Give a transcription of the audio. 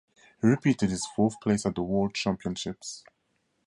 He repeated his fourth place at the World championships.